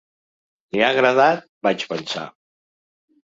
Li ha agradat, vaig pensar.